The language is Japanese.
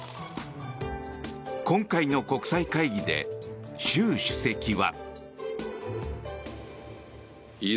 今回の国際会議で習主席は。